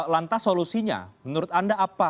lantas solusinya menurut anda apa